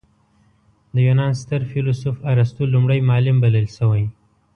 د یونان ستر فیلسوف ارسطو لومړی معلم بلل شوی.